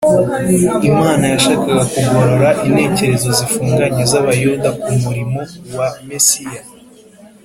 . Imana yashakaga kugorora intekerezo zifunganye z’Abayuda ku murimo wa Mesiya